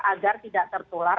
agar tidak tertular